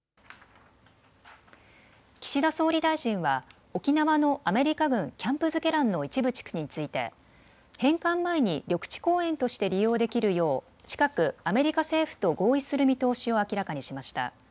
岸田総理大臣は沖縄のアメリカ軍キャンプ瑞慶覧の一部地区について返還前に緑地公園として利用できるよう近くアメリカ政府と合意する見通しを明らかにしました。